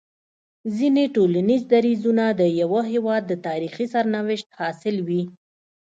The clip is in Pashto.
ځيني ټولنيز درځونه د يوه هيواد د تاريخي سرنوشت حاصل وي